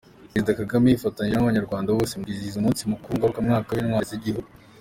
Perezida Kagame yifatanyije n’Abanyarwanda bose mu kwizihiza umunsi ngarukamwaka w’Intwari z’igihugu.